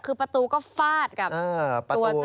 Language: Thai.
คือประตูก็ฟาดกับตัวเจ้าหน้าที่ใช่ไหม